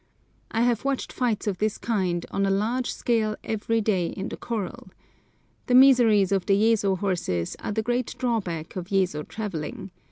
I have watched fights of this kind on a large scale every day in the corral. The miseries of the Yezo horses are the great drawback of Yezo travelling.